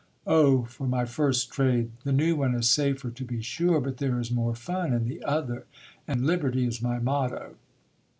Oh ! for my first trade! The new one i<= safer, to be 82 GIL BLAS. sure; but there is more fun in the other, and liberty is my motto.